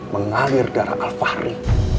mengalir darah al fahri